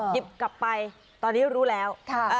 กลับไปตอนนี้รู้แล้ว